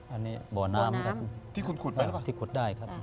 อันนี้บ่อน้ำครับที่คุดได้ครับ